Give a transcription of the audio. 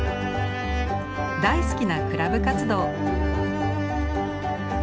大好きなクラブ活動。